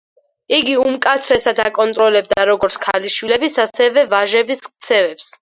იგი უმკაცრესად აკონტროლებდა როგორც ქალიშვილების, ასევე ვაჟების ქცევებს.